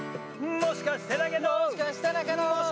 もしかしてだけど。